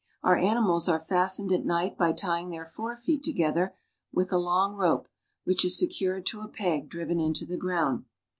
Our animals are fastened at night by tying their fore feet together with a long rope, which is secured to a peg driven into the ground.